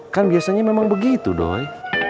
kan biasanya memang begitu doy